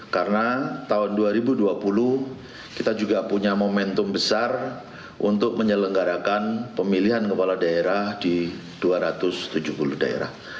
karena tahun dua ribu dua puluh kita juga punya momentum besar untuk menyelenggarakan pemilihan kepala daerah di dua ratus tujuh puluh daerah